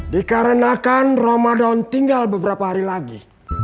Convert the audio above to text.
dikarenakan ramadan tinggal beberapa hari lagi